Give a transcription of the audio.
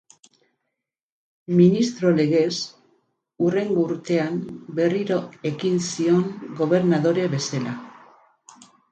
Ministro legez, hurrengo urtean, berriro ekin zion gobernadore bezala.